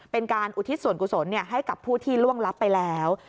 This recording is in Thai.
อุทิศส่วนกุศลให้กับผู้ที่ล่วงลับไปแล้ว